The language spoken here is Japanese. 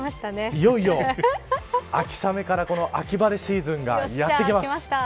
いよいよ秋雨から秋晴れシーズンがやってきます。